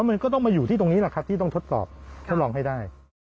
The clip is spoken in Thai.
มันก็ต้องมาอยู่ที่ตรงนี้แหละครับที่ต้องทดสอบทดลองให้ได้